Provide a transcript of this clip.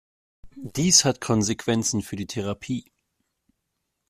Dies hat Konsequenzen für die Therapie.